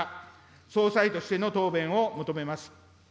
総裁としての答弁を求めます。